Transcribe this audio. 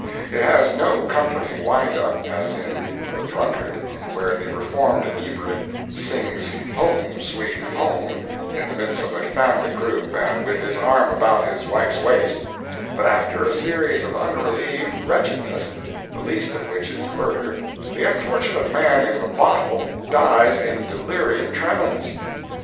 It has no comforting wind up, as in "The Drunkard," where the reformed inebriate sings "Home; Sweet Home," in the midst of a family group and with his arm about his wife's waist; but after a series of unrelieved wretchedness, the least of which is murder, the unfortunate man in "The Bottle" dies in delirium tremens.